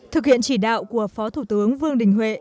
thực hiện chỉ đạo của phó thủ tướng vương đình huệ